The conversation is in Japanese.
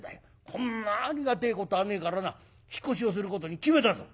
こんなありがてえことはねえからな引っ越しをすることに決めたぞ」。